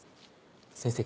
先生